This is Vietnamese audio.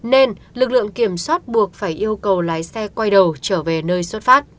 nên lực lượng kiểm soát buộc phải yêu cầu lái xe quay đầu trở về nơi xuất phát